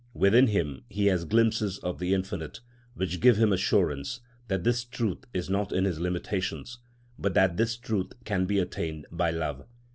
Within him he has glimpses of the Infinite, which give him assurance that this truth is not in his limitations, but that this truth can be attained by love.